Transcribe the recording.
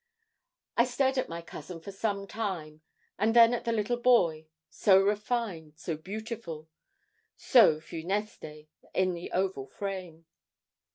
I stared at my cousin for some time, and then at the little boy, so refined, so beautiful, so funeste, in the oval frame.